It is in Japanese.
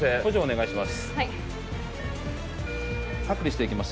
お願いします